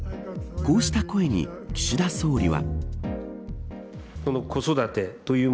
こうした声に岸田総理は。